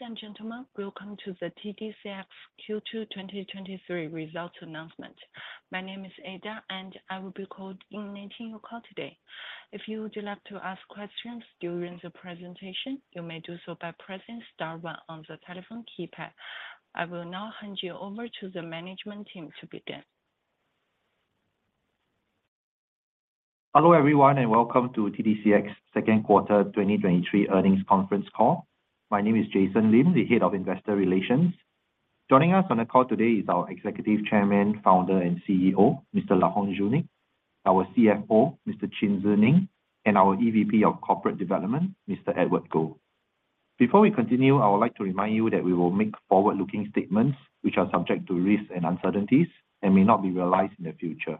Ladies and gentlemen, welcome to the TDCX Q2 2023 results announcement. My name is Ada, and I will be coordinating your call today. If you would like to ask questions during the presentation, you may do so by pressing star one on the telephone keypad. I will now hand you over to the management team to begin. Hello everyone, and welcome to TDCX second quarter 2023 earnings conference call. My name is Jason Lim, the Head of Investor Relations. Joining us on the call today is our Executive Chairman, Founder, and CEO, Mr. Laurent Junique; our CFO, Mr. Chin Tze Neng; and our EVP of Corporate Development, Mr. Edward Goh. Before we continue, I would like to remind you that we will make forward-looking statements which are subject to risks and uncertainties and may not be realized in the future.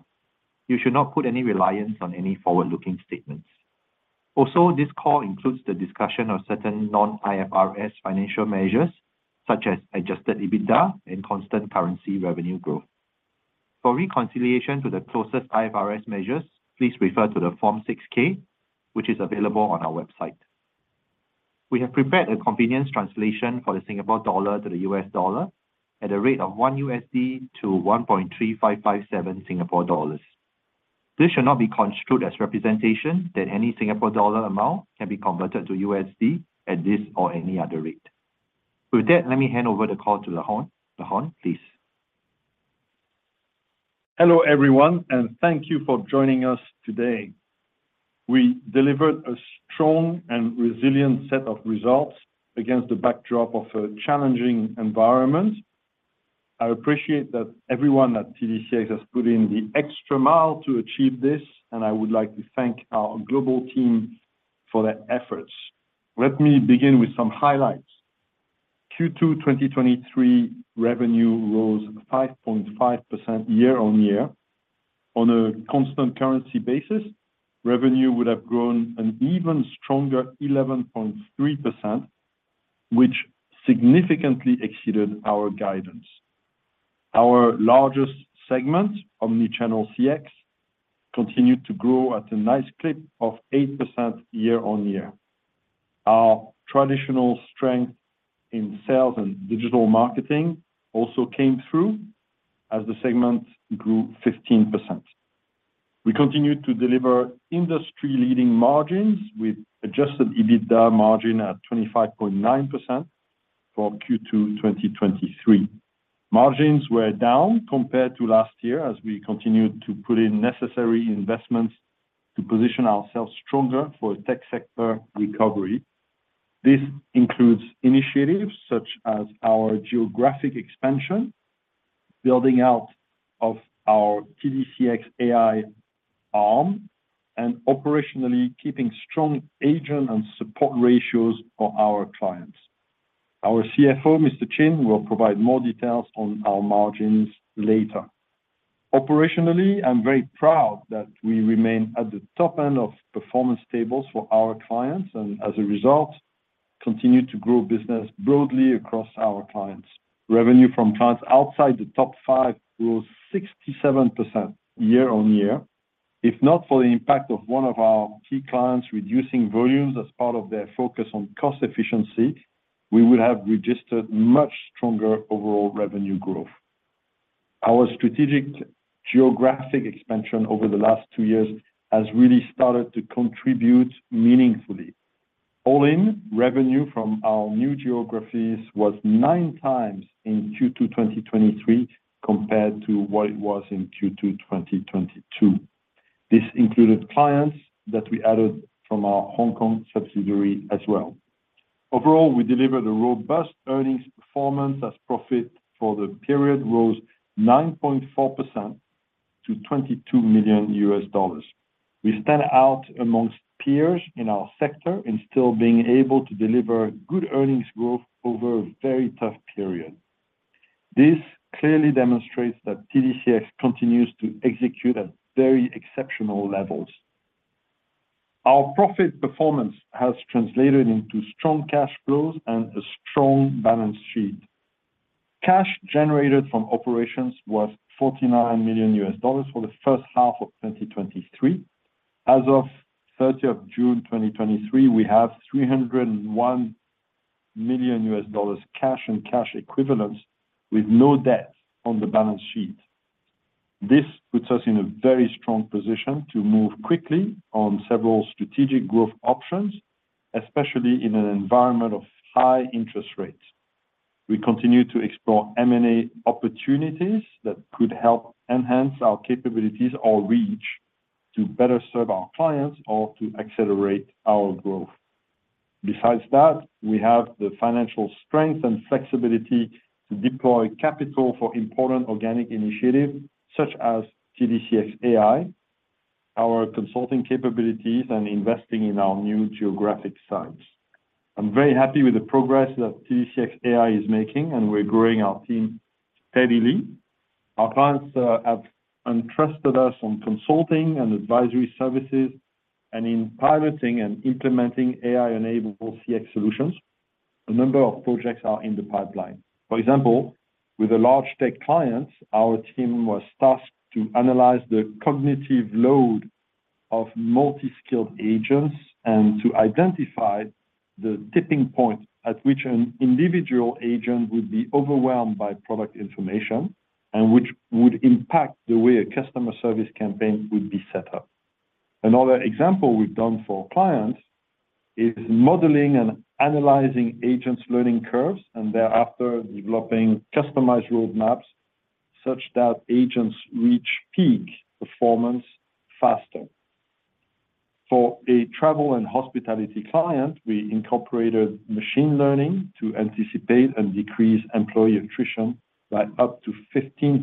You should not put any reliance on any forward-looking statements. Also, this call includes the discussion of certain non-IFRS financial measures, such as Adjusted EBITDA and constant currency revenue growth. For reconciliation to the closest IFRS measures, please refer to the Form 6-K, which is available on our website. We have prepared a convenience translation for the Singapore dollar to the U.S. dollar at a rate of 1 USD to 1.3557 Singapore dollars. This should not be construed as representation that any Singapore dollar amount can be converted to USD at this or any other rate. With that, let me hand over the call to Laurent. Laurent, please. Hello, everyone, and thank you for joining us today. We delivered a strong and resilient set of results against the backdrop of a challenging environment. I appreciate that everyone at TDCX has put in the extra mile to achieve this, and I would like to thank our global team for their efforts. Let me begin with some highlights. Q2 2023 revenue rose 5.5% year-over-year. On a constant currency basis, revenue would have grown an even stronger 11.3%, which significantly exceeded our guidance. Our largest segment, Omnichannel CX, continued to grow at a nice clip of 8% year-over-year. Our traditional strength in sales and digital marketing also came through as the segment grew 15%. We continued to deliver industry-leading margins with Adjusted EBITDA margin at 25.9% for Q2 2023. Margins were down compared to last year as we continued to put in necessary investments to position ourselves stronger for a tech sector recovery. This includes initiatives such as our geographic expansion, building out of our TDCX AI arm, and operationally keeping strong agent and support ratios for our clients. Our CFO, Mr. Chin, will provide more details on our margins later. Operationally, I'm very proud that we remain at the top end of performance tables for our clients, and as a result, continue to grow business broadly across our clients. Revenue from clients outside the top five grew 67% year-on-year. If not for the impact of one of our key clients reducing volumes as part of their focus on cost efficiency, we would have registered much stronger overall revenue growth. Our strategic geographic expansion over the last two years has really started to contribute meaningfully. All in, revenue from our new geographies was 9 times in Q2 2023 compared to what it was in Q2 2022. This included clients that we added from our Hong Kong subsidiary as well. Overall, we delivered a robust earnings performance as profit for the period rose 9.4% to $22 million. We stand out amongst peers in our sector in still being able to deliver good earnings growth over a very tough period. This clearly demonstrates that TDCX continues to execute at very exceptional levels. Our profit performance has translated into strong cash flows and a strong balance sheet. Cash generated from operations was $49 million for the first half of 2023. As of the 30th of June 2023, we have $301 million cash and cash equivalents, with no debt on the balance sheet. This puts us in a very strong position to move quickly on several strategic growth options, especially in an environment of high interest rates. We continue to explore M&A opportunities that could help enhance our capabilities or reach to better serve our clients or to accelerate our growth. Besides that, we have the financial strength and flexibility to deploy capital for important organic initiatives such as TDCX AI, our consulting capabilities, and investing in our new geographic sites. I'm very happy with the progress that TDCX AI is making, and we're growing our team steadily. Our clients have entrusted us on consulting and advisory services and in piloting and implementing AI-enabled CX solutions. A number of projects are in the pipeline. For example, with a large tech client, our team was tasked to analyze the cognitive load-... of multi-skilled agents and to identify the tipping point at which an individual agent would be overwhelmed by product information, and which would impact the way a customer service campaign would be set up. Another example we've done for clients is modeling and analyzing agents' learning curves, and thereafter developing customized roadmaps such that agents reach peak performance faster. For a travel and hospitality client, we incorporated machine learning to anticipate and decrease employee attrition by up to 15%.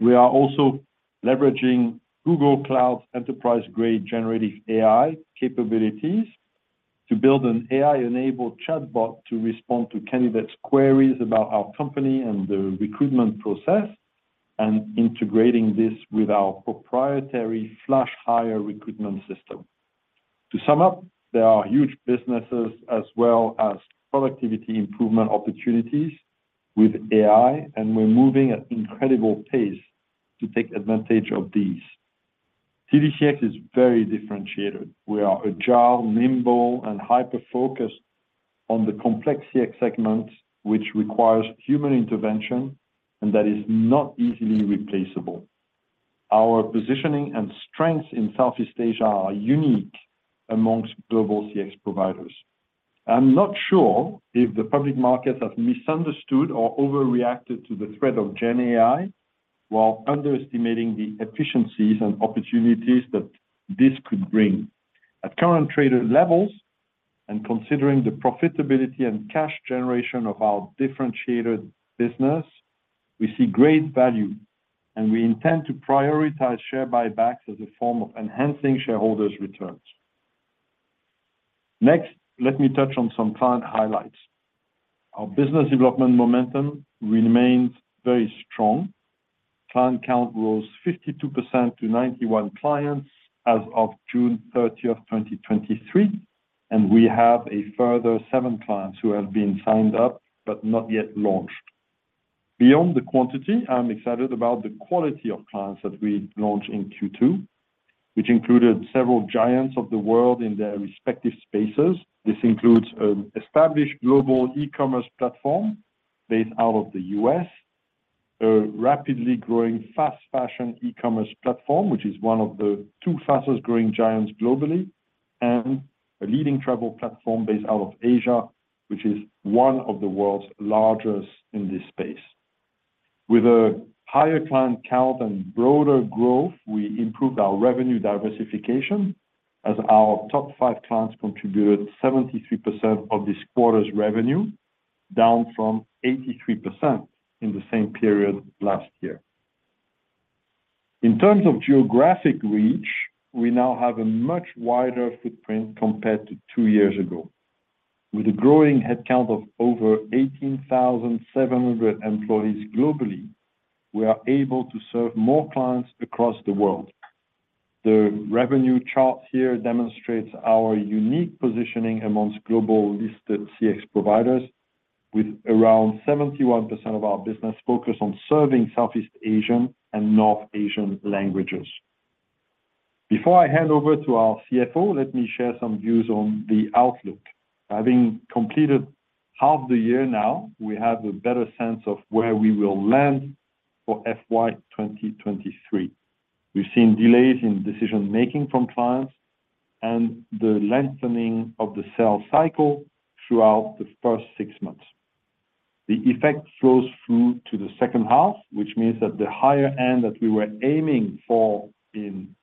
We are also leveraging Google Cloud's enterprise-grade generative AI capabilities to build an AI-enabled chatbot to respond to candidates' queries about our company and the recruitment process, and integrating this with our proprietary Flash Hire recruitment system. To sum up, there are huge businesses as well as productivity improvement opportunities with AI, and we're moving at incredible pace to take advantage of these. TDCX is very differentiated. We are agile, nimble, and hyper-focused on the complex CX segment, which requires human intervention and that is not easily replaceable. Our positioning and strengths in Southeast Asia are unique among global CX providers. I'm not sure if the public markets have misunderstood or overreacted to the threat of Gen AI, while underestimating the efficiencies and opportunities that this could bring. At current trader levels, and considering the profitability and cash generation of our differentiated business, we see great value, and we intend to prioritize share buybacks as a form of enhancing shareholders' returns. Next, let me touch on some client highlights. Our business development momentum remains very strong. Client count rose 52% to 91 clients as of June thirtieth, 2023, and we have a further 7 clients who have been signed up but not yet launched. Beyond the quantity, I'm excited about the quality of clients that we launched in Q2, which included several giants of the world in their respective spaces. This includes an established global e-commerce platform based out of the U.S., a rapidly growing fast-fashion e-commerce platform, which is one of the two fastest-growing giants globally, and a leading travel platform based out of Asia, which is one of the world's largest in this space. With a higher client count and broader growth, we improved our revenue diversification, as our top five clients contributed 73% of this quarter's revenue, down from 83% in the same period last year. In terms of geographic reach, we now have a much wider footprint compared to two years ago. With a growing headcount of over 18,700 employees globally, we are able to serve more clients across the world. The revenue chart here demonstrates our unique positioning among global listed CX providers, with around 71% of our business focused on serving Southeast Asian and North Asian languages. Before I hand over to our CFO, let me share some views on the outlook. Having completed half the year now, we have a better sense of where we will land for FY 2023. We've seen delays in decision-making from clients and the lengthening of the sales cycle throughout the first six months. The effect flows through to the second half, which means that the higher end that we were aiming for in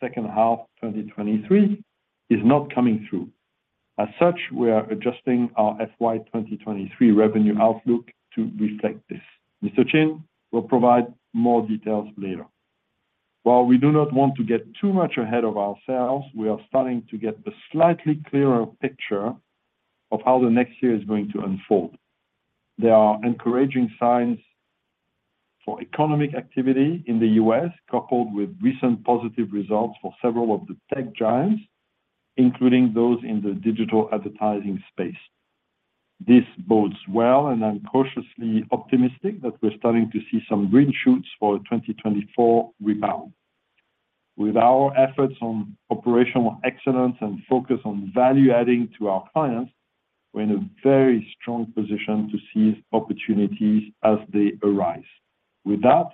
second half 2023 is not coming through. As such, we are adjusting our FY 2023 revenue outlook to reflect this. Mr. Chin will provide more details later. While we do not want to get too much ahead of ourselves, we are starting to get a slightly clearer picture of how the next year is going to unfold. There are encouraging signs for economic activity in the U.S., coupled with recent positive results for several of the tech giants, including those in the digital advertising space. This bodes well, and I'm cautiously optimistic that we're starting to see some green shoots for a 2024 rebound. With our efforts on operational excellence and focus on value-adding to our clients, we're in a very strong position to seize opportunities as they arise. With that,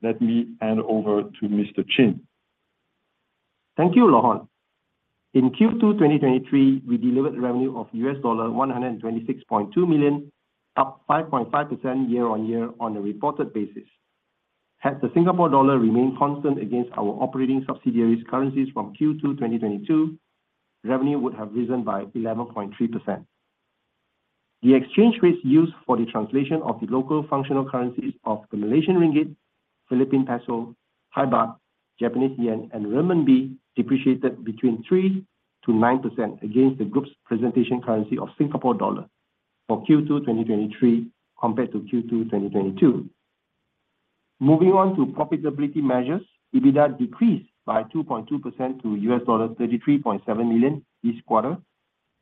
let me hand over to Mr. Chin. Thank you, Laurent. In Q2 2023, we delivered revenue of $126.2 million, up 5.5% year-on-year on a reported basis. Had the Singapore dollar remained constant against our operating subsidiaries' currencies from Q2 2022, revenue would have risen by 11.3%. The exchange rates used for the translation of the local functional currencies of the Malaysian ringgit, Philippine peso, Thai baht, Japanese yen, and renminbi depreciated 3%-9% against the group's presentation currency of Singapore dollar for Q2 2023 compared to Q2 2022. Moving on to profitability measures, EBITDA decreased by 2.2% to $33.7 million this quarter....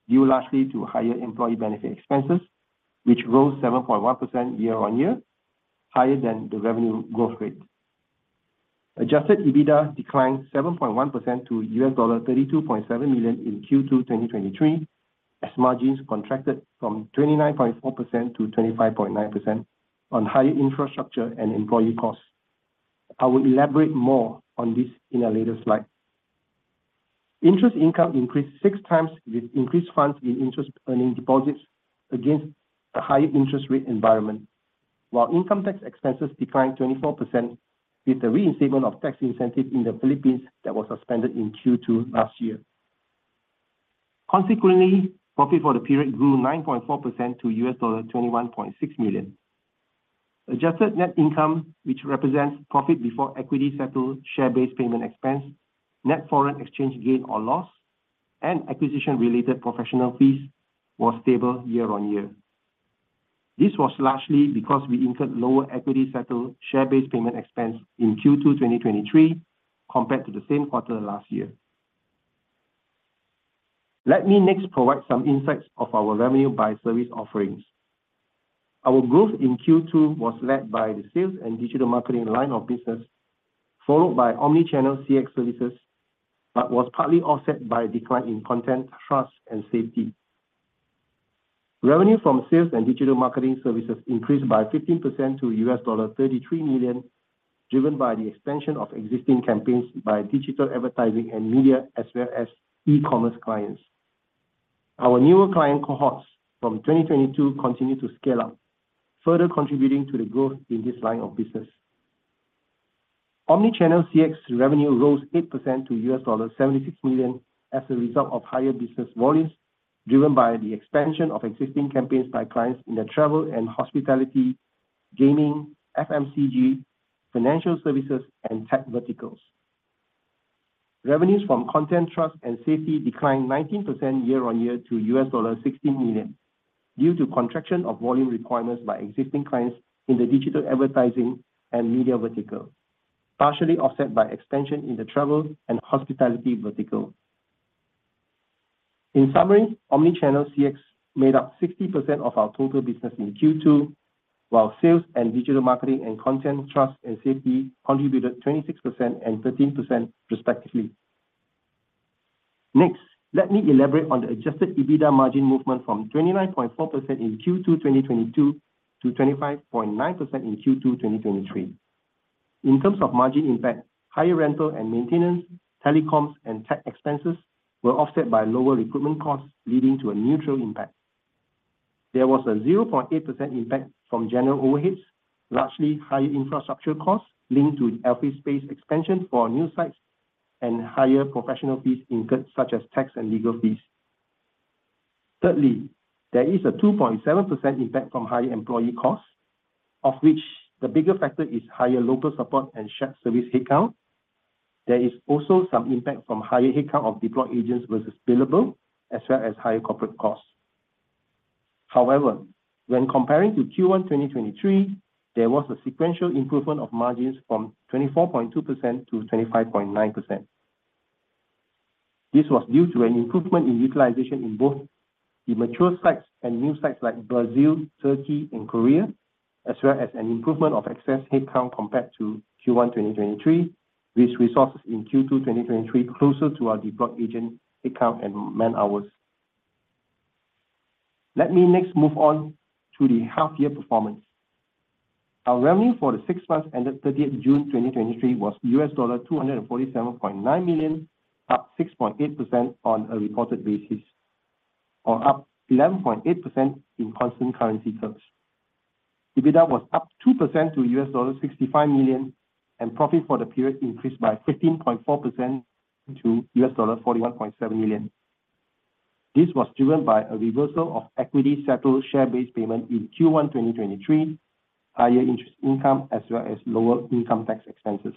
due largely to higher employee benefit expenses, which rose 7.1% year-on-year, higher than the revenue growth rate. Adjusted EBITDA declined 7.1% to $32.7 million in Q2 2023, as margins contracted from 29.4% to 25.9% on higher infrastructure and employee costs. I will elaborate more on this in a later slide. Interest income increased 6 times with increased funds in interest-earning deposits against a high interest rate environment, while income tax expenses declined 24% with the reinstatement of tax incentive in the Philippines that was suspended in Q2 last year. Consequently, profit for the period grew 9.4% to $21.6 million. Adjusted net income, which represents profit before equity-settled share-based payment expense, net foreign exchange gain or loss, and acquisition-related professional fees, was stable year-on-year. This was largely because we incurred lower equity-settled, share-based payment expense in Q2 2023, compared to the same quarter last year. Let me next provide some insights of our revenue by service offerings. Our growth in Q2 was led by the sales and digital marketing line of business, followed by omni-channel CX services, but was partly offset by a decline in content, trust, and safety. Revenue from sales and digital marketing services increased by 15% to $33 million, driven by the expansion of existing campaigns by digital advertising and media, as well as e-commerce clients. Our newer client cohorts from 2022 continue to scale up, further contributing to the growth in this line of business. Omnichannel CX revenue rose 8% to $76 million as a result of higher business volumes, driven by the expansion of existing campaigns by clients in the travel and hospitality, gaming, FMCG, financial services, and tech verticals. Revenues from content, trust, and safety declined 19% year-on-year to $16 million, due to contraction of volume requirements by existing clients in the digital advertising and media vertical, partially offset by expansion in the travel and hospitality vertical. In summary, Omnichannel CX made up 60% of our total business in Q2, while sales and digital marketing and content, trust and safety contributed 26% and 13%, respectively. Next, let me elaborate on the Adjusted EBITDA margin movement from 29.4% in Q2 2022 to 25.9% in Q2 2023. In terms of margin impact, higher rental and maintenance, telecoms, and tech expenses were offset by lower recruitment costs, leading to a neutral impact. There was a 0.8% impact from general overheads, largely higher infrastructure costs linked to the office space expansion for our new sites and higher professional fees incurred, such as tax and legal fees. Thirdly, there is a 2.7% impact from higher employee costs, of which the bigger factor is higher local support and shared service headcount. There is also some impact from higher headcount of deployed agents versus billable, as well as higher corporate costs. However, when comparing to Q1 2023, there was a sequential improvement of margins from 24.2% to 25.9%. This was due to an improvement in utilization in both the mature sites and new sites like Brazil, Turkey, and Korea, as well as an improvement of excess headcount compared to Q1 2023, which resources in Q2 2023 closer to our deployed agent headcount and man-hours. Let me next move on to the half-year performance. Our revenue for the six months ended 30 June 2023 was $247.9 million, up 6.8% on a reported basis, or up 11.8% in constant currency terms. EBITDA was up 2% to $65 million, and profit for the period increased by 15.4% to $41.7 million. This was driven by a reversal of equity-settled share-based payment in Q1 2023, higher interest income, as well as lower income tax expenses.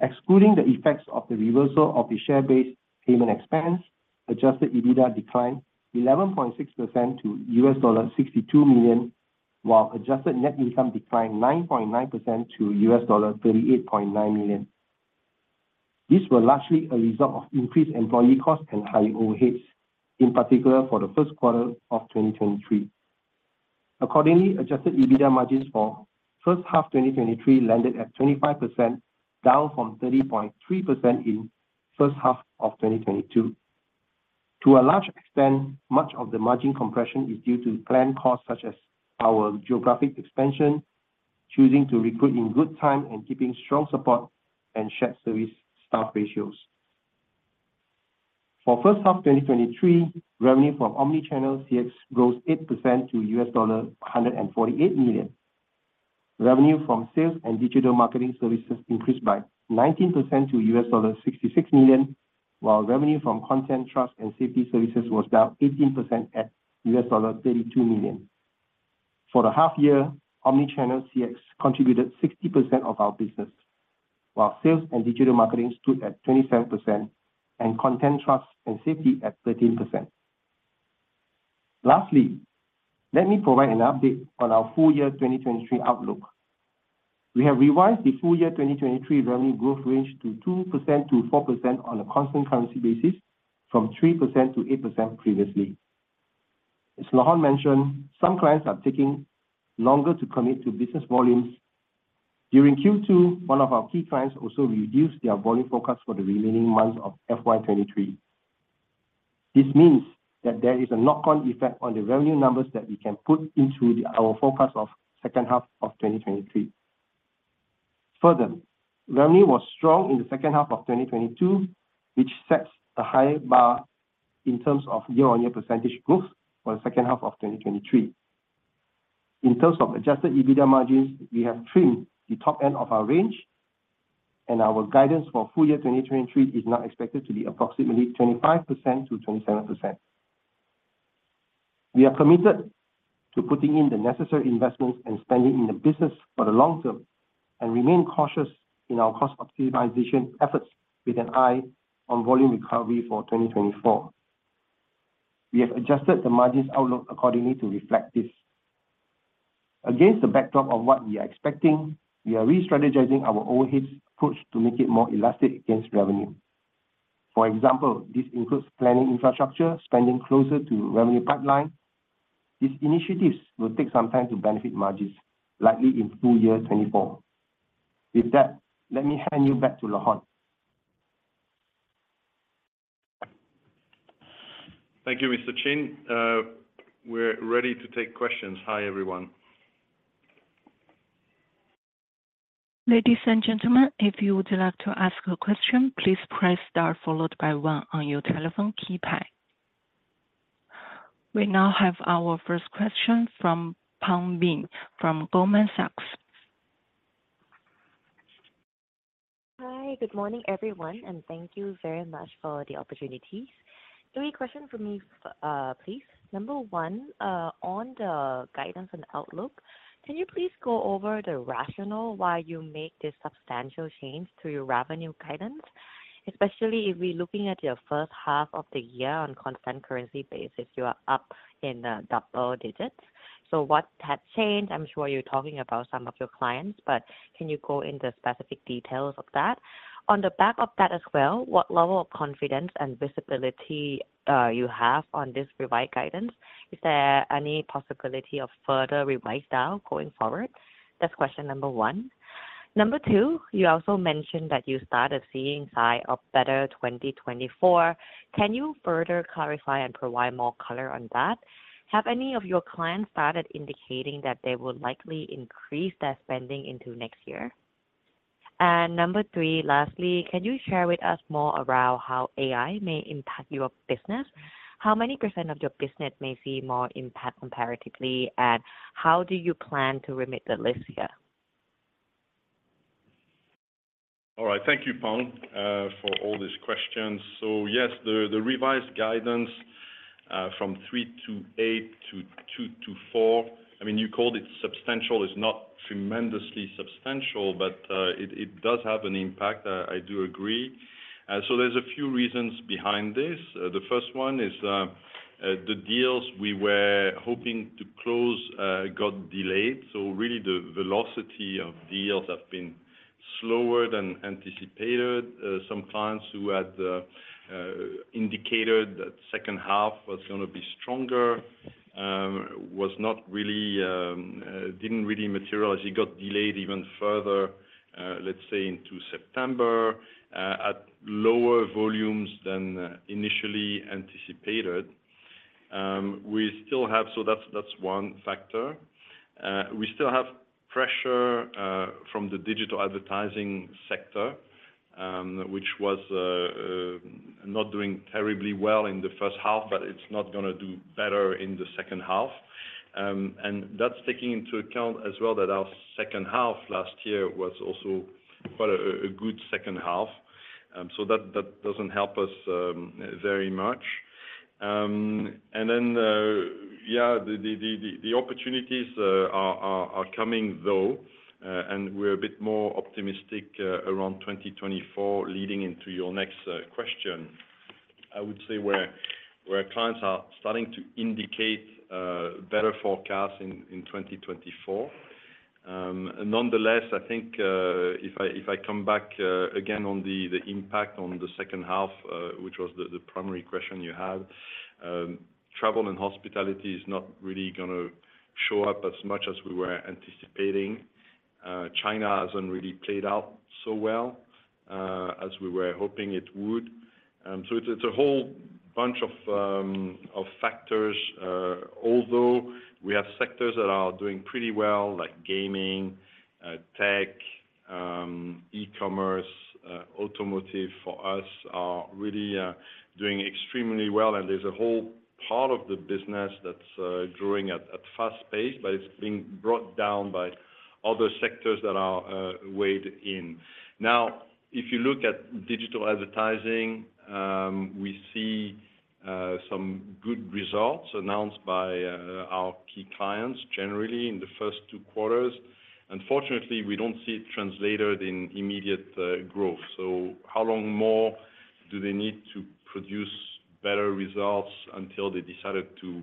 Excluding the effects of the reversal of the share-based payment expense, Adjusted EBITDA declined 11.6% to $62 million, while adjusted net income declined 9.9% to $38.9 million. These were largely a result of increased employee costs and high overheads, in particular, for the first quarter of 2023. Accordingly, Adjusted EBITDA margins for first half 2023 landed at 25%, down from 30.3% in first half of 2022. To a large extent, much of the margin compression is due to planned costs, such as our geographic expansion, choosing to recruit in good time, and keeping strong support and shared service staff ratios. For first half 2023, revenue from omnichannel CX grows 8% to $148 million. Revenue from sales and digital marketing services increased by 19% to $66 million, while revenue from content, trust, and safety services was down 18% at $32 million. For the half year, omnichannel CX contributed 60% of our business, while sales and digital marketing stood at 27% and content, trust, and safety at 13%. Lastly, let me provide an update on our full year 2023 outlook. We have revised the full year 2023 revenue growth range to 2%-4% on a constant currency basis from 3%-8% previously. As Laurent mentioned, some clients are taking longer to commit to business volumes. During Q2, one of our key clients also reduced their volume forecast for the remaining months of FY 2023. This means that there is a knock-on effect on the revenue numbers that we can put into the, our forecast of second half of 2023. Further, revenue was strong in the second half of 2022, which sets a high bar in terms of year-on-year percentage growth for the second half of 2023. In terms of Adjusted EBITDA margins, we have trimmed the top end of our range, and our guidance for full year 2023 is now expected to be approximately 25%-27%. We are committed to putting in the necessary investments and spending in the business for the long term and remain cautious in our cost optimization efforts with an eye on volume recovery for 2024. We have adjusted the margins outlook accordingly to reflect this. Against the backdrop of what we are expecting, we are restrategizing our overheads approach to make it more elastic against revenue. For example, this includes planning infrastructure, spending closer to revenue pipeline. These initiatives will take some time to benefit margins, likely in full year 2024. With that, let me hand you back to Laurent. Thank you, Mr. Chin. We're ready to take questions. Hi, everyone. Ladies and gentlemen, if you would like to ask a question, please press star followed by one on your telephone keypad. We now have our first question from Bin Pang from Goldman Sachs. Hi, good morning, everyone, and thank you very much for the opportunity. 3 questions from me, please. Number 1, on the guidance and outlook, can you please go over the rationale why you make this substantial change to your revenue guidance? Especially if we're looking at your first half of the year on constant currency basis, you are up in the double digits. So what has changed? I'm sure you're talking about some of your clients, but can you go into specific details of that? On the back of that as well, what level of confidence and visibility you have on this revised guidance? Is there any possibility of further revised down going forward? That's question number 1. Number 2, you also mentioned that you started seeing signs of better 2024. Can you further clarify and provide more color on that? Have any of your clients started indicating that they will likely increase their spending into next year? Number three, lastly, can you share with us more around how AI may impact your business? How many % of your business may see more impact comparatively, and how do you plan to mitigate the risk here? All right. Thank you, Pang, for all these questions. So yes, the revised guidance from 3-8 to 2-4, I mean, you called it substantial. It's not tremendously substantial, but it does have an impact. I do agree. So there's a few reasons behind this. The first one is, the deals we were hoping to close got delayed. So really, the velocity of deals have been slower than anticipated. Some clients who had indicated that second half was gonna be stronger was not really... didn't really materialize. It got delayed even further, let's say into September, at lower volumes than initially anticipated. We still have. So that's one factor. We still have pressure from the digital advertising sector, which was not doing terribly well in the first half, but it's not gonna do better in the second half. And that's taking into account as well, that our second half last year was also quite a good second half. So that doesn't help us very much. And then, yeah, the opportunities are coming though, and we're a bit more optimistic around 2024, leading into your next question. I would say where clients are starting to indicate better forecasts in 2024. Nonetheless, I think, if I come back again on the impact on the second half, which was the primary question you had, travel and hospitality is not really gonna show up as much as we were anticipating. China hasn't really played out so well, as we were hoping it would. So it's a whole bunch of factors. Although we have sectors that are doing pretty well, like gaming, tech, e-commerce, automotive for us are really doing extremely well. And there's a whole part of the business that's growing at a fast pace, but it's being brought down by other sectors that are weighed in. Now, if you look at digital advertising, we see some good results announced by our key clients generally in the first two quarters. Unfortunately, we don't see it translated in immediate growth. So how long more do they need to produce better results until they decided to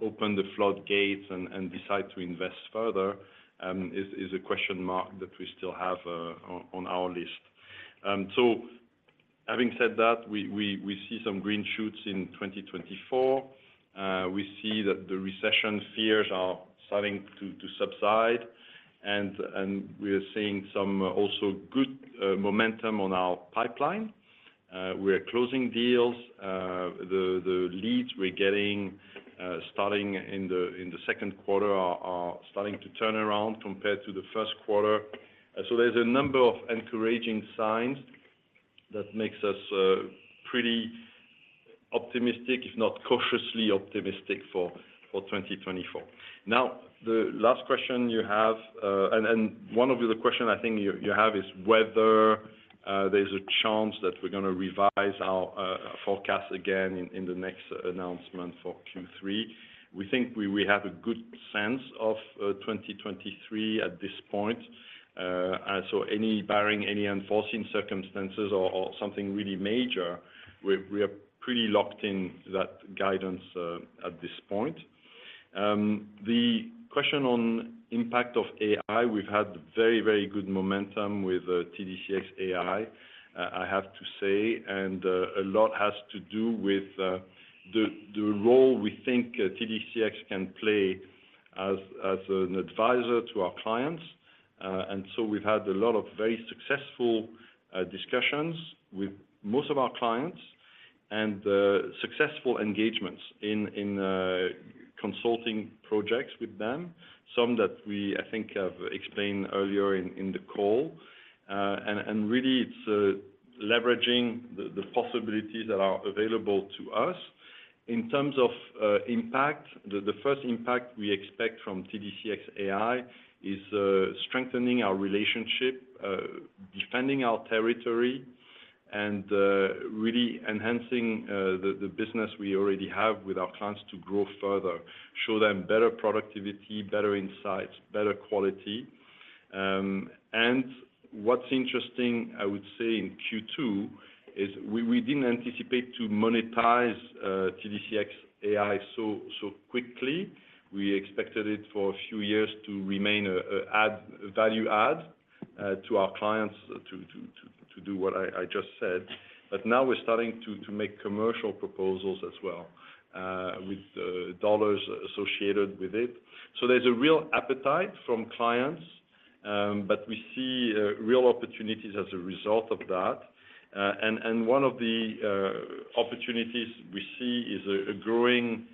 open the floodgates and decide to invest further is a question mark that we still have on our list. So having said that, we see some green shoots in 2024. We see that the recession fears are starting to subside, and we are seeing some also good momentum on our pipeline. We are closing deals. The leads we're getting starting in the second quarter are starting to turn around compared to the first quarter. So there's a number of encouraging signs that makes us pretty optimistic, if not cautiously optimistic for 2024. Now, the last question you have, and one of the questions I think you have, is whether there's a chance that we're gonna revise our forecast again in the next announcement for Q3. We think we have a good sense of 2023 at this point. And so barring any unforeseen circumstances or something really major, we are pretty locked in that guidance at this point. The question on impact of AI, we've had very, very good momentum with TDCX AI, I have to say, and a lot has to do with the role we think TDCX can play as an advisor to our clients. So we've had a lot of very successful discussions with most of our clients and successful engagements in consulting projects with them. Some that we, I think, have explained earlier in the call. Really it's leveraging the possibilities that are available to us. In terms of impact, the first impact we expect from TDCX AI is strengthening our relationship, defending our territory and really enhancing the business we already have with our clients to grow further. Show them better productivity, better insights, better quality. What's interesting, I would say in Q2, is we didn't anticipate to monetize TDCX AI so quickly. We expected it for a few years to remain a value add to our clients, to do what I just said. But now we're starting to make commercial proposals as well, with dollars associated with it. So there's a real appetite from clients, but we see real opportunities as a result of that. And one of the opportunities we see is a growing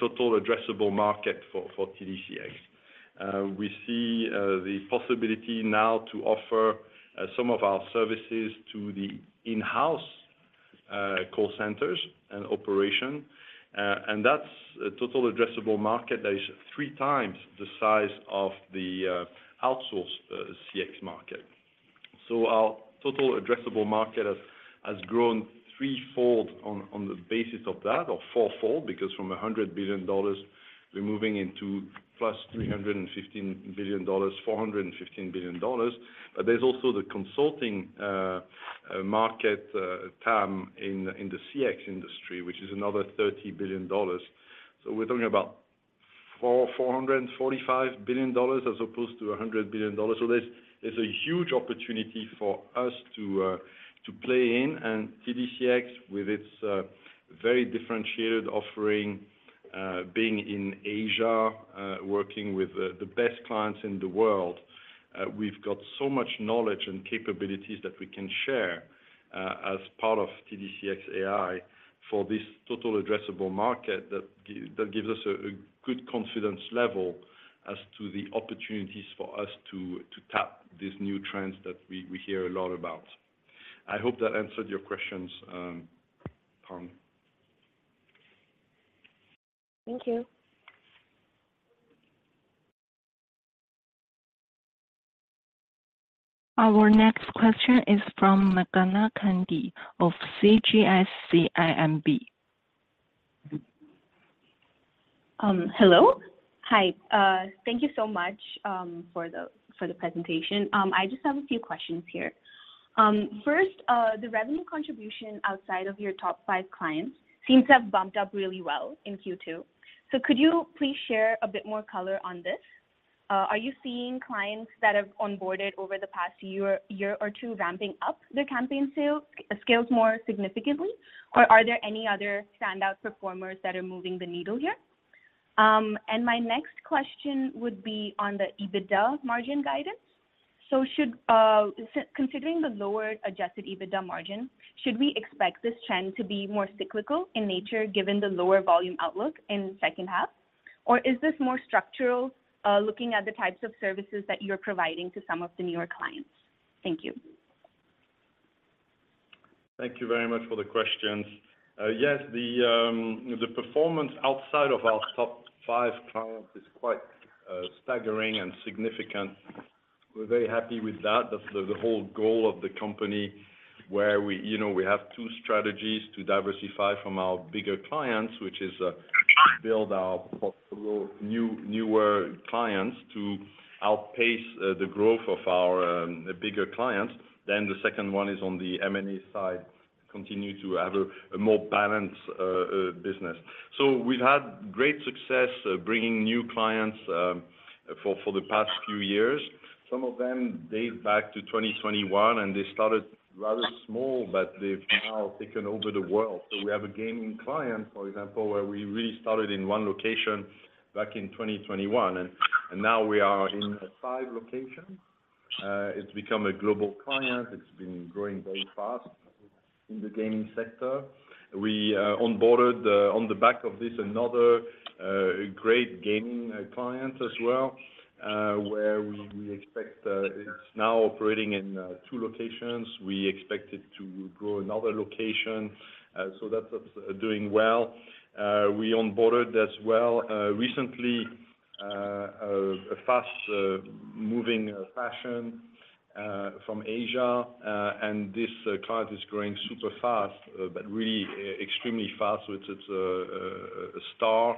total addressable market for TDCX. We see the possibility now to offer some of our services to the in-house call centers and operation. And that's a total addressable market that is three times the size of the outsourced CX market. So our total addressable market has, has grown 3-fold on, on the basis of that, or 4-fold, because from $100 billion, we're moving into plus $315 billion, $415 billion. But there's also the consulting market TAM in, in the CX industry, which is another $30 billion. So we're talking about $445 billion as opposed to $100 billion. So there's, there's a huge opportunity for us to, to play in. And TDCX, with its very differentiated offering, being in Asia, working with the best clients in the world, we've got so much knowledge and capabilities that we can share, as part of TDCX AI for this total addressable market, that gives us a good confidence level as to the opportunities for us to tap these new trends that we hear a lot about. I hope that answered your questions, Pang. Thank you. Our next question is from Ong Khang Chuen of CGS-CIMB. Hello? Hi. Thank you so much for the presentation. I just have a few questions here. First, the revenue contribution outside of your top five clients seems to have bumped up really well in Q2. So could you please share a bit more color on this? Are you seeing clients that have onboarded over the past year or two, ramping up their campaign sales scales more significantly? Or are there any other standout performers that are moving the needle here? And my next question would be on the EBITDA margin guidance. So, considering the lower adjusted EBITDA margin, should we expect this trend to be more cyclical in nature, given the lower volume outlook in the second half? Or is this more structural, looking at the types of services that you're providing to some of the newer clients? Thank you. Thank you very much for the questions. Yes, the performance outside of our top five clients is quite staggering and significant. We're very happy with that. That's the whole goal of the company, where we, you know, we have two strategies to diversify from our bigger clients, which is build our possible new, newer clients to outpace the growth of our bigger clients. Then the second one is on the M&A side, continue to have a more balanced business. So we've had great success bringing new clients for the past few years. Some of them date back to 2021, and they started rather small, but they've now taken over the world. So we have a gaming client, for example, where we really started in one location back in 2021, and now we are in five locations. It's become a global client. It's been growing very fast in the gaming sector. We onboarded on the back of this, another great gaming client as well, where we expect—it's now operating in two locations. We expect it to grow another location, so that's doing well. We onboarded as well recently a fast moving fashion from Asia. And this client is growing super fast, but really extremely fast. So it's a star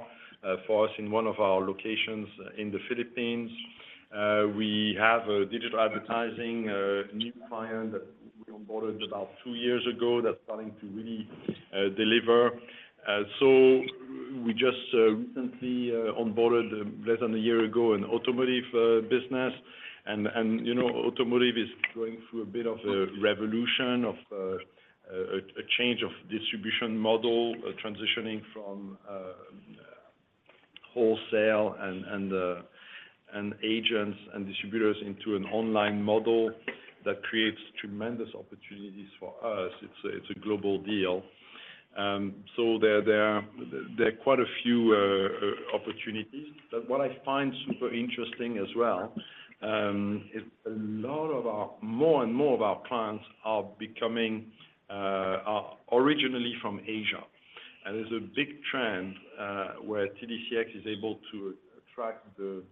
for us in one of our locations in the Philippines. We have a digital advertising new client that we onboarded about two years ago, that's starting to really deliver. So we just recently onboarded less than a year ago an automotive business. You know, automotive is going through a bit of a revolution of a change of distribution model, transitioning from wholesale and agents and distributors into an online model that creates tremendous opportunities for us. It's a global deal. So there are quite a few opportunities. But what I find super interesting as well is a lot of our... More and more of our clients are originally from Asia. There's a big trend where TDCX is able to attract the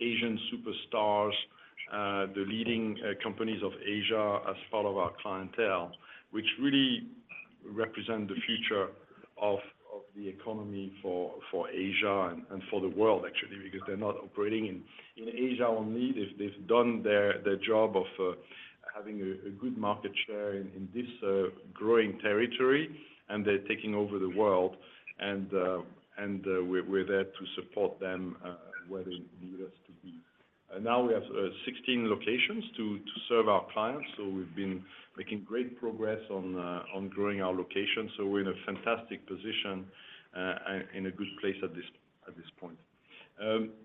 Asian superstars, the leading companies of Asia as part of our clientele, which really represent the future of the economy for Asia and for the world, actually, because they're not operating in Asia only. They've done their job of having a good market share in this growing territory, and they're taking over the world, and we're there to support them where they need us to be. And now we have 16 locations to serve our clients, so we've been making great progress on growing our locations. So we're in a fantastic position and in a good place at this point.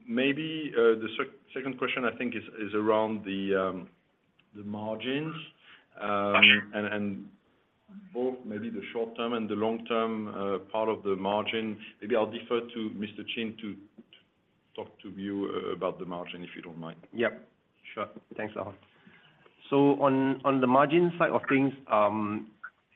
Maybe the second question, I think, is around the margins. Right. And both maybe the short term and the long term part of the margin. Maybe I'll defer to Mr. Chin to talk to you about the margin, if you don't mind. Yep. Sure. Thanks, Laurent. So on the margin side of things,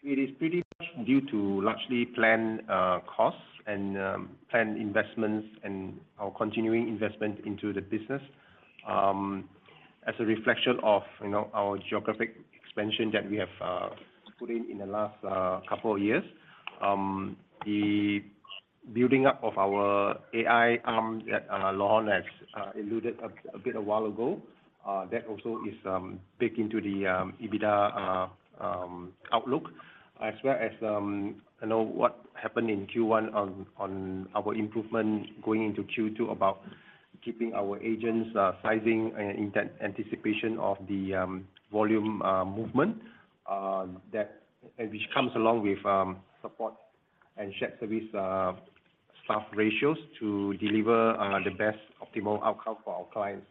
it is pretty much due to largely planned costs and planned investments and our continuing investment into the business. As a reflection of, you know, our geographic expansion that we have put in in the last couple of years. The building up of our AI arm that Laurent has alluded a bit a while ago, that also is baked into the EBITDA outlook. As well as, you know, what happened in Q1 on our improvement going into Q2, about keeping our agents sizing in anticipation of the volume movement. That which comes along with support and shared service staff ratios to deliver the best optimal outcome for our clients.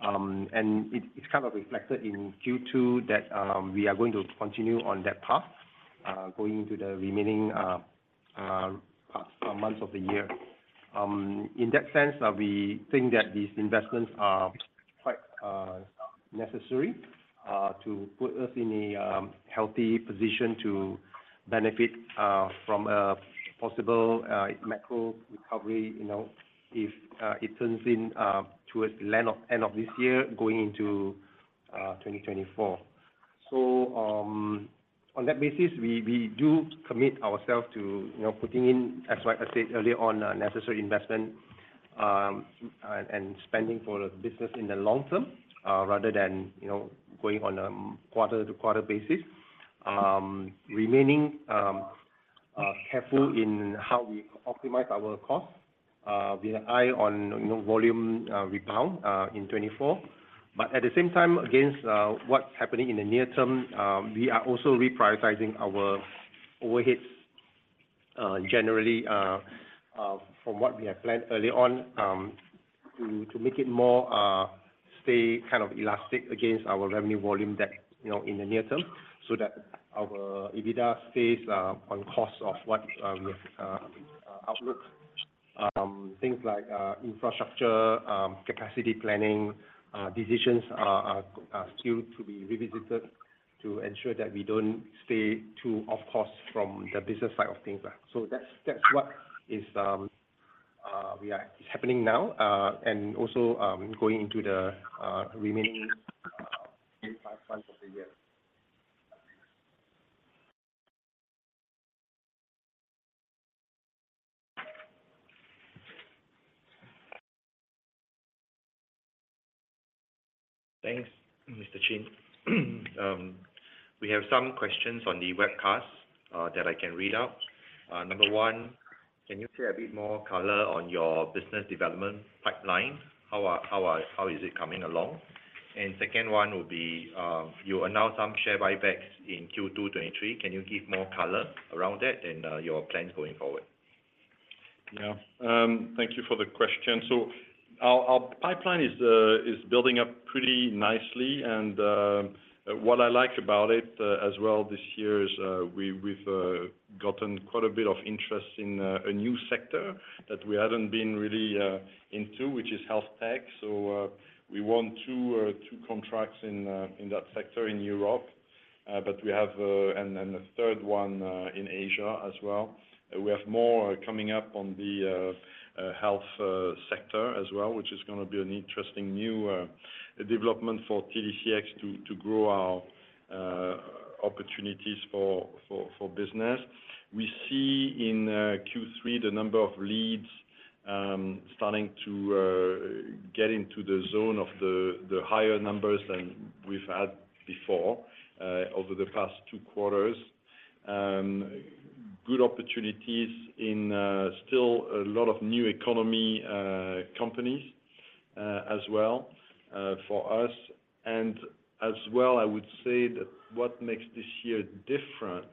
And it, it's kind of reflected in Q2, that, we are going to continue on that path, going into the remaining, months of the year. In that sense, we think that these investments are quite, necessary, to put us in a, healthy position to benefit, from a possible, macro recovery, you know, if, it turns in, towards the end of, end of this year, going into, 2024. So, on that basis, we, we do commit ourselves to, you know, putting in, as well, as I said earlier on, necessary investment, and spending for the business in the long term, rather than, you know, going on a quarter-to-quarter basis. Remaining careful in how we optimize our costs, with an eye on, you know, volume rebound in 2024. But at the same time, against what's happening in the near term, we are also reprioritizing our overheads, generally, from what we had planned early on, to make it more stay kind of elastic against our revenue volume that, you know, in the near term. So that our EBITDA stays on course of what we have outlook. Things like infrastructure, capacity planning decisions are still to be revisited to ensure that we don't stay too off course from the business side of things. So that's, that's what is happening now, and also going into the remaining five months of the year.... Thanks, Mr. Chin. We have some questions on the webcast that I can read out. Number one: Can you share a bit more color on your business development pipeline? How is it coming along? And second one will be, you announced some share buybacks in Q2 2023. Can you give more color around that and your plans going forward? Yeah. Thank you for the question. So our pipeline is building up pretty nicely, and what I like about it as well this year is we've gotten quite a bit of interest in a new sector that we hadn't been really into, which is health tech. So we won 2 contracts in that sector in Europe, but we have... And then a third one in Asia as well. We have more coming up on the health sector as well, which is gonna be an interesting new development for TDCX to grow our opportunities for business. We see in Q3, the number of leads starting to get into the zone of the higher numbers than we've had before over the past two quarters. Good opportunities in still a lot of new economy companies as well for us. And as well, I would say that what makes this year different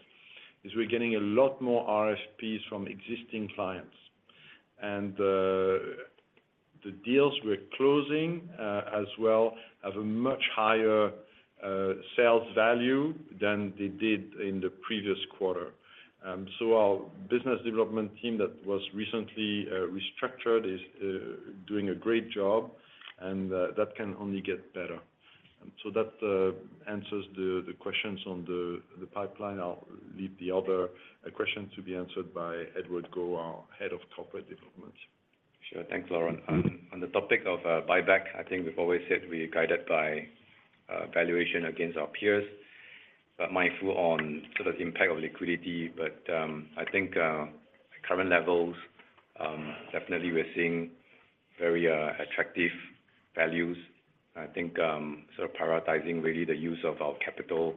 is we're getting a lot more RFPs from existing clients. And the deals we're closing as well have a much higher sales value than they did in the previous quarter. So our business development team that was recently restructured is doing a great job, and that can only get better. And so that answers the questions on the pipeline. I'll leave the other question to be answered by Edward Goh, our Head of Corporate Development. Sure. Thanks, Laurent. On the topic of buyback, I think we've always said we are guided by valuation against our peers, but mindful on sort of the impact of liquidity. But, I think current levels definitely we're seeing very attractive values. I think sort of prioritizing really the use of our capital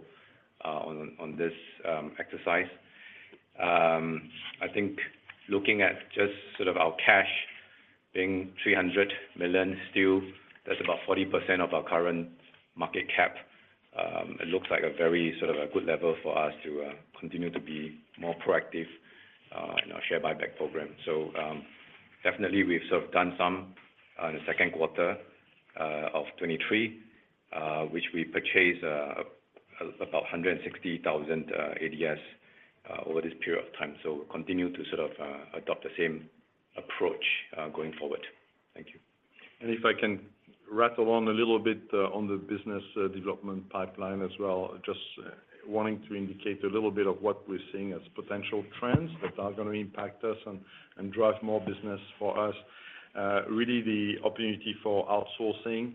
on this exercise. I think looking at just sort of our cash being $300 million still, that's about 40% of our current market cap. It looks like a very sort of a good level for us to continue to be more proactive in our share buyback program. So, definitely we've sort of done some in the second quarter of 2023, which we purchased about 160,000 ADS over this period of time. So we'll continue to sort of adopt the same approach going forward. Thank you. If I can rattle on a little bit on the business development pipeline as well. Just wanting to indicate a little bit of what we're seeing as potential trends that are gonna impact us and drive more business for us. Really, the opportunity for outsourcing,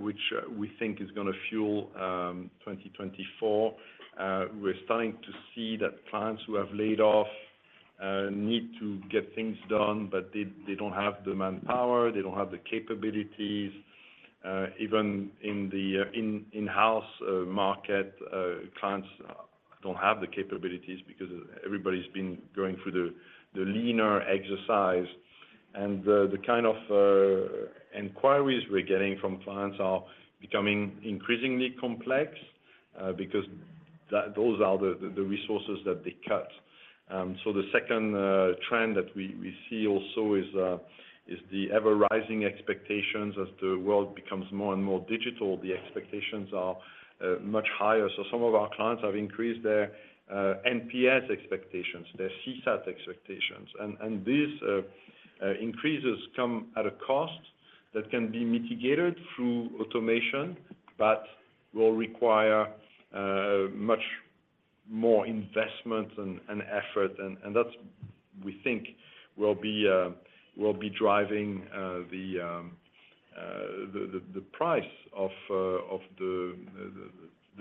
which we think is gonna fuel 2024. We're starting to see that clients who have laid off need to get things done, but they don't have the manpower, they don't have the capabilities. Even in the in-house market, clients don't have the capabilities because everybody's been going through the leaner exercise. The kind of inquiries we're getting from clients are becoming increasingly complex, because those are the resources that they cut. So the second trend that we see also is the ever-rising expectations. As the world becomes more and more digital, the expectations are much higher. So some of our clients have increased their NPS expectations, their CSAT expectations, and these increases come at a cost that can be mitigated through automation, but will require much more investment and effort. And that, we think will be driving the price of the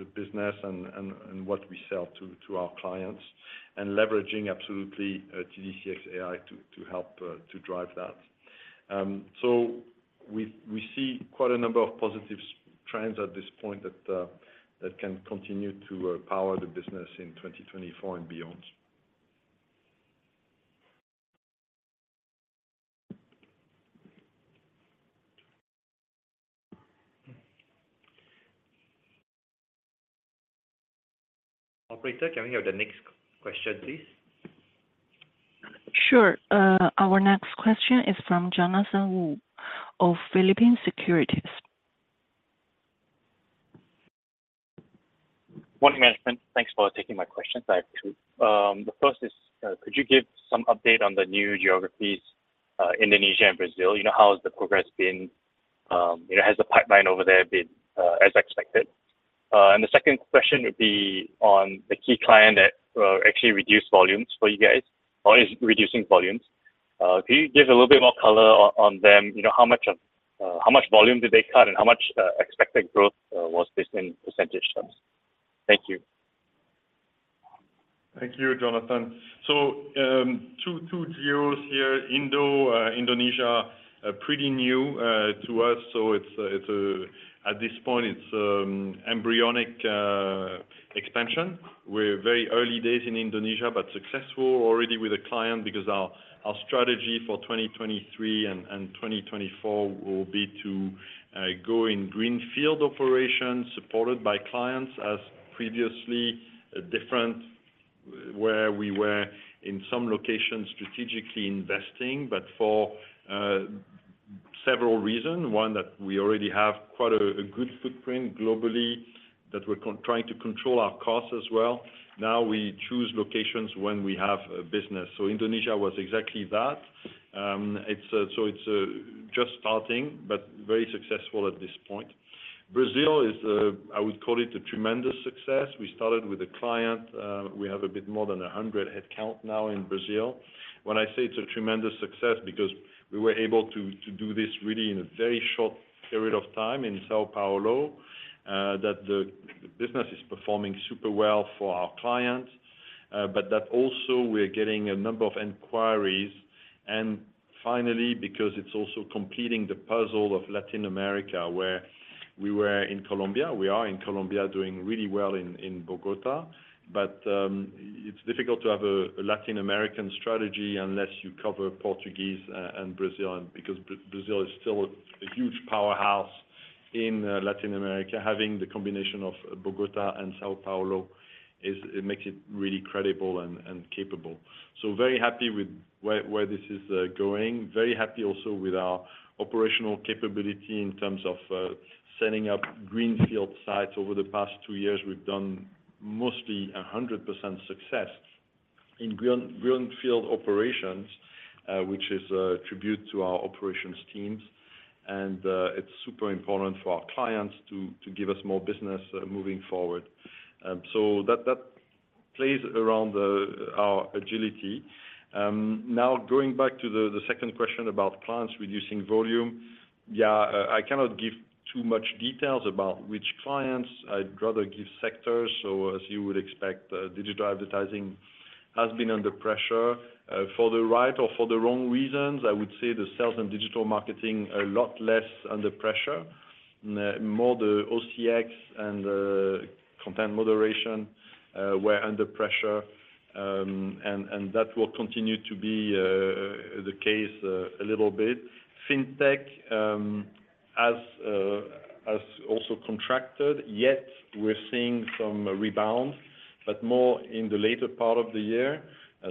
business and what we sell to our clients, and leveraging absolutely TDCX AI to help to drive that. So we see quite a number of positive trends at this point that can continue to power the business in 2024 and beyond. Operator, can we have the next question, please? Sure. Our next question is from Jonathan Woo of Phillip Securities. Morning, management. Thanks for taking my questions. I have two. The first is, could you give some update on the new geographies, Indonesia and Brazil? You know, how has the progress been? You know, has the pipeline over there been as expected? And the second question would be on the key client that actually reduced volumes for you guys, or is reducing volumes.... Can you give a little bit more color on them? You know, how much volume did they cut, and how much expected growth was this in percentage terms? Thank you. Thank you, Jonathan. So, 2 geos here, Indo, Indonesia, are pretty new to us, so it's... At this point, it's embryonic expansion. We're very early days in Indonesia, but successful already with a client because our strategy for 2023 and 2024 will be to go in greenfield operations supported by clients as previously different where we were in some locations, strategically investing. But for several reasons, one, that we already have quite a good footprint globally, that we're trying to control our costs as well. Now, we choose locations when we have a business. So Indonesia was exactly that. It's just starting, but very successful at this point. Brazil is, I would call it a tremendous success. We started with a client, we have a bit more than 100 headcount now in Brazil. When I say it's a tremendous success because we were able to do this really in a very short period of time in São Paulo, that the business is performing super well for our clients. But that also we're getting a number of inquiries, and finally, because it's also completing the puzzle of Latin America, where we were in Colombia. We are in Colombia, doing really well in Bogotá, but it's difficult to have a Latin American strategy unless you cover Portuguese and Brazil, and because Brazil is still a huge powerhouse in Latin America. Having the combination of Bogotá and São Paulo is, it makes it really credible and capable. So very happy with where this is going. Very happy also with our operational capability in terms of setting up greenfield sites. Over the past two years, we've done mostly 100% success in greenfield operations, which is a tribute to our operations teams, and it's super important for our clients to give us more business moving forward. So that plays around our agility. Now, going back to the second question about clients reducing volume. Yeah, I cannot give too much details about which clients. I'd rather give sectors. So as you would expect, digital advertising has been under pressure for the right or for the wrong reasons. I would say the sales and digital marketing, a lot less under pressure. More the CX and the content moderation were under pressure. And that will continue to be the case a little bit. Fintech has also contracted, yet we're seeing some rebound, but more in the later part of the year.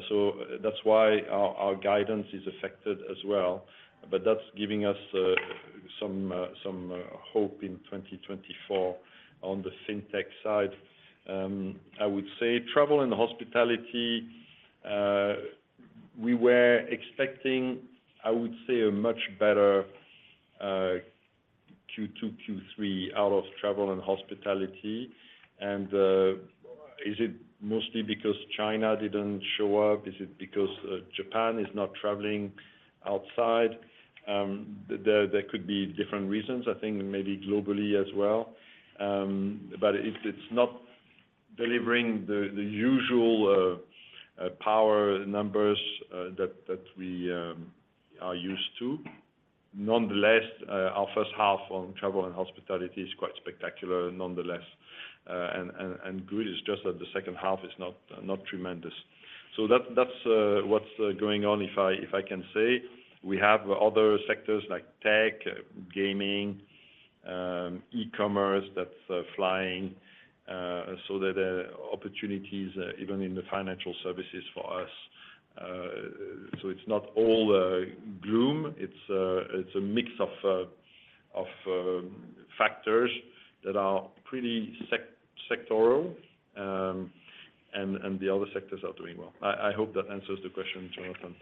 So that's why our guidance is affected as well, but that's giving us some hope in 2024 on the fintech side. I would say travel and hospitality we were expecting, I would say, a much better Q2, Q3 out of travel and hospitality. Is it mostly because China didn't show up? Is it because Japan is not traveling outside? There could be different reasons, I think, maybe globally as well. But it's not delivering the usual power numbers that we are used to. Nonetheless, our first half on travel and hospitality is quite spectacular, nonetheless. And good, it's just that the second half is not tremendous. So that's what's going on, if I can say. We have other sectors like tech, gaming, e-commerce, that's flying, so there are opportunities even in the financial services for us. So it's not all gloom. It's a mix of factors that are pretty sectoral, and the other sectors are doing well. I hope that answers the question, Jonathan.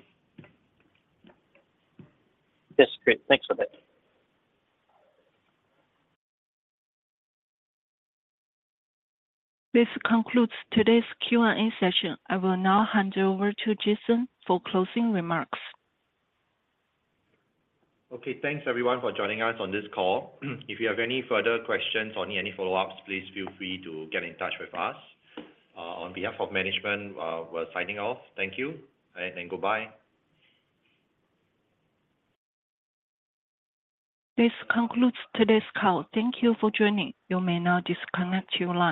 Yes. Great. Thanks for that. This concludes today's Q&A session. I will now hand over to Jason for closing remarks. Okay, thanks everyone for joining us on this call. If you have any further questions or any follow-ups, please feel free to get in touch with us. On behalf of management, we're signing off. Thank you, and goodbye. This concludes today's call. Thank you for joining. You may now disconnect your line.